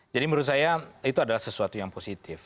jadi menurut saya itu adalah sesuatu yang positif